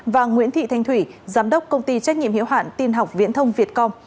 và nguyễn thị thanh thủy giám đốc công ty trách nhiệm hiếu hạn tiên học viễn thông việt công